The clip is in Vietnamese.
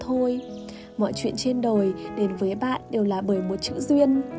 tại sao mọi chuyện trên đời đến với bạn đều là bởi một chữ duyên